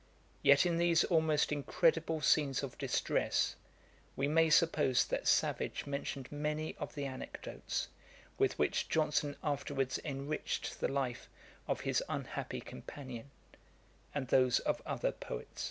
Yet in these almost incredible scenes of distress, we may suppose that Savage mentioned many of the anecdotes with which Johnson afterwards enriched the life of his unhappy companion, and those of other Poets.